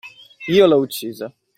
Io l'ho uccisa.